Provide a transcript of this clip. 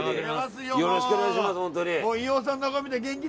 よろしくお願いします。